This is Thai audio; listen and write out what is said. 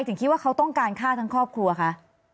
คุณประทีบขอแสดงความเสียใจด้วยนะคะ